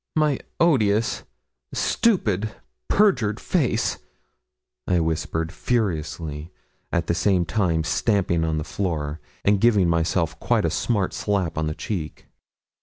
'My odious, stupid, perjured face' I whispered, furiously, at the same time stamping on the floor, and giving myself quite a smart slap on the cheek.